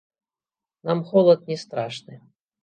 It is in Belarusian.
Нам холад не страшны.